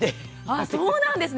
あそうなんですね！